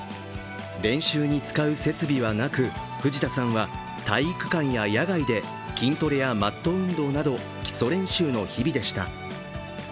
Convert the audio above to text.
練習に使う設備はなく、藤田さんは体育館や野外で筋トレやマット運動など基礎練習の日々でした。